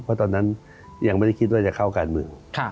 เพราะตอนนั้นยังไม่ได้คิดว่าจะเข้าการเมือง